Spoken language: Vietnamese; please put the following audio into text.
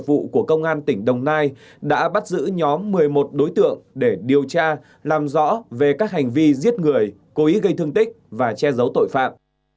vụ của công an tỉnh đồng nai đã bắt giữ nhóm một mươi một đối tượng để điều tra làm rõ về các hành vi giết người cố ý gây thương tích và che giấu tội phạm